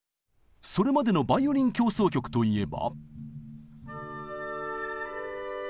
それまでのバイオリン協奏曲といえば。